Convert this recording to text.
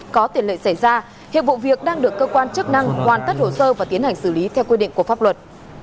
có tiền lệ xảy ra hiệp vụ việc đang được cơ quan chức năng hoàn tất hồ sơ và tiến hành xử lý theo quy định của pháp luật